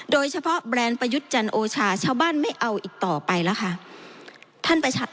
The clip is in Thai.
แบรนด์ประยุทธ์จันโอชาชาวบ้านไม่เอาอีกต่อไปแล้วค่ะ